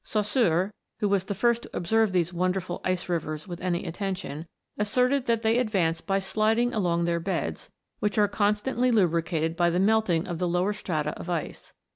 Saussure, who was the first to observe these wonderful ice rivers with any attention, asserted that they advance by sliding along their beds, which are constantly lubricated by the melting of the lower strata of ice.